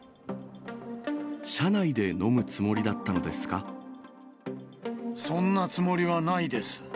車内で飲むつもりだったのでそんなつもりはないです。